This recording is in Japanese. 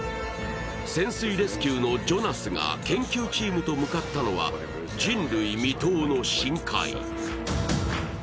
潜水レスキューのジョナスが研究チームと向かったのは人類未踏の深海。